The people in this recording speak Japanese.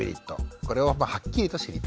これをはっきりと知りたい。